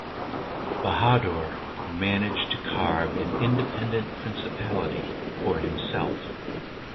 Bahadur managed to carve an independent principality for himself.